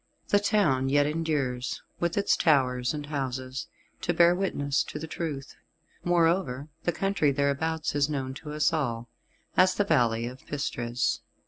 The town yet endures, with its towers and houses, to bear witness to the truth; moreover the country thereabouts is known to us all as the Valley of Pistres.